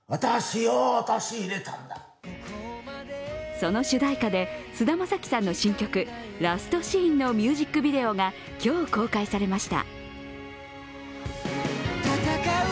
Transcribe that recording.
その主題歌で菅田将暉さんの新曲、「ラストシーン」のミュージックビデオが今日、公開されました。